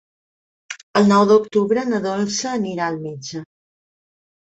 El nou d'octubre na Dolça anirà al metge.